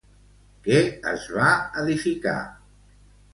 Què es va edificar?